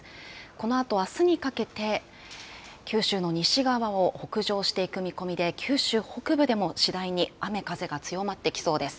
このあとあすにかけて九州の西側を北上していく見込みで、九州北部でも次第に雨風が強まってきそうです。